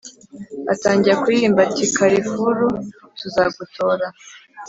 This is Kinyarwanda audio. atangira kuririmba ati"karefuru tuzagutora.............